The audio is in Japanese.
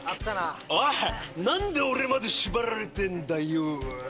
おい何で俺まで縛られてんだよ。